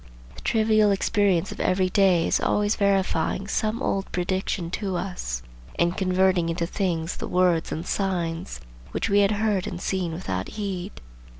The trivial experience of every day is always verifying some old prediction to us and converting into things the words and signs which we had heard and seen without heed.